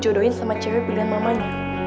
gue udah kodoin sama cewek pilihan mamanya